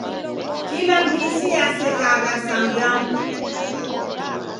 Kila mbisi yasekagha sa mdamu.